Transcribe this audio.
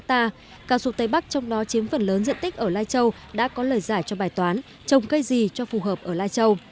cao su tây bắc trong đó chiếm phần lớn diện tích ở lai châu đã có lời giải cho bài toán trồng cây gì cho phù hợp ở lai châu